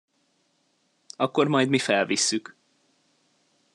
Akkor majd mi felvisszük.